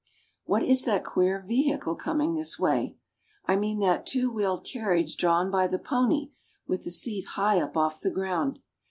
What is that queer vehicle coming this way? I mean that two wheeled carriage drawn by the pony, with the seat high up off the ground.